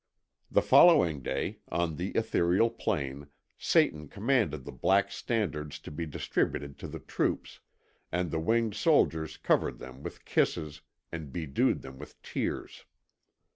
The following day, on the ethereal plain, Satan commanded the black standards to be distributed to the troops, and the winged soldiers covered them with kisses and bedewed them with tears.